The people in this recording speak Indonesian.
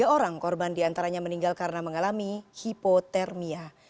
tiga orang korban diantaranya meninggal karena mengalami hipotermia